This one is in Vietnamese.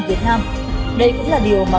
việt nam đây cũng là điều mà